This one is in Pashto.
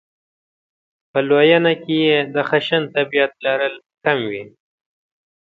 په لویېنه کې یې د خشن طبعیت لرل کم وي.